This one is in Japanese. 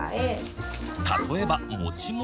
例えば持ち物。